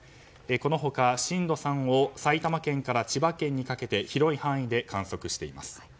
この他、震度３を埼玉県から千葉県にかけて広い範囲で観測しています。